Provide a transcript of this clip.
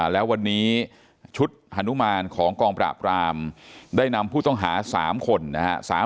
แล้ววันนี้ชุดฮานุมานของกองปราบรามได้นำผู้ต้องหา๓คนนะครับ